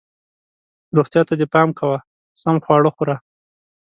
روغتیا ته دې پام کوه ، سم خواړه خوره